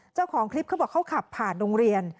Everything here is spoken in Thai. เจ้าของคลิปเขาบอกเขาขับผ่านโรงเรียน